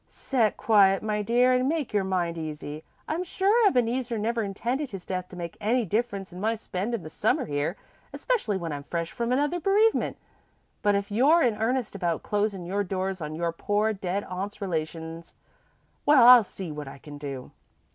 "Set quiet, my dear, an' make your mind easy. I'm sure Ebeneezer never intended his death to make any difference in my spendin' the Summer here, especially when I'm fresh from another bereavement, but if you're in earnest about closin' your doors on your poor dead aunt's relations, why I'll see what I can do."